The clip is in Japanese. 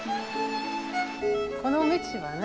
この道はね